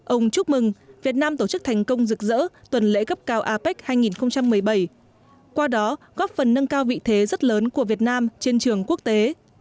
ông chúc mừng việt nam tổ chức thành công rực rỡ tuần lễ cấp cao apec hai nghìn một mươi bảy qua đó góp phần nâng cao vị thế rất lớn của việt nam trên trường quốc tế